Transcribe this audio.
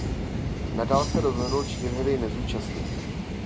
Nadal se rozhodl čtyřhry nezúčastnit.